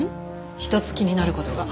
一つ気になる事が。